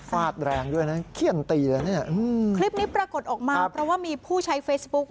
ฟาดแรงด้วยนะเขี้ยนตีเลยเนี่ยคลิปนี้ปรากฏออกมาเพราะว่ามีผู้ใช้เฟซบุ๊ก